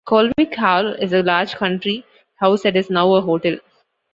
Colwick Hall is a large country house that is now a hotel.